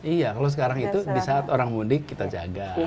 iya kalau sekarang itu di saat orang mudik kita jaga